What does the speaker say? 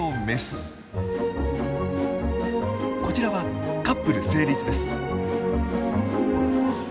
こちらはカップル成立です。